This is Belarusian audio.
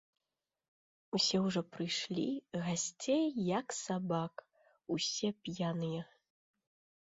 Усе ўжо прыйшлі, гасцей, як сабак, усе п'яныя.